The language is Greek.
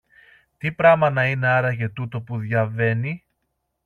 Τι πράμα να είναι άραγε τούτο που διαβαίνει;